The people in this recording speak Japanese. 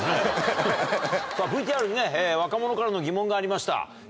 さぁＶＴＲにね若者からの疑問がありました。